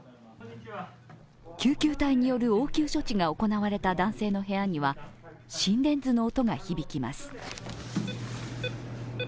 救急隊による応急処置が行われた男性の部屋には心電図の音が響きます。